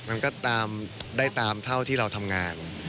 มันก็ตามได้ตามเท่าที่เราทำงาน